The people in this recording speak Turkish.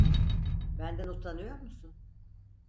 Benden utanıyor musun?